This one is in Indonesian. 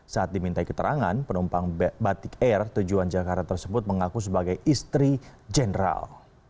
saat dimintai keterangan penumpang batik air tujuan jakarta tersebut mengaku sebagai istri jenderal